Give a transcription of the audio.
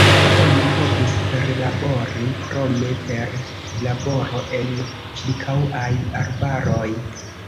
Oni povis perlabori krome per laboro en ĉirkaŭaj arbaroj.